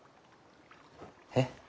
えっ？